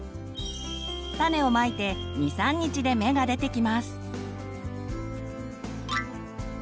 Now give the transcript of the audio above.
種をまいて２３日で芽が出てきます。